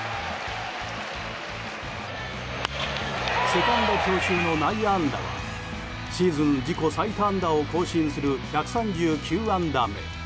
セカンド強襲の内野安打はシーズン自己最多安打を更新する１３９安打目。